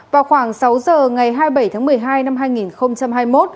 vào khoảng sáu giờ ngày hai mươi bảy tháng một mươi hai năm hai nghìn tám